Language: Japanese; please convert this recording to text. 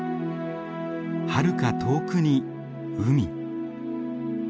はるか遠くに海。